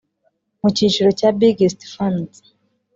Mu cyiciro cya Biggest Fans